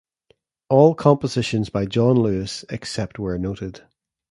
All compositions by John Lewis except where noted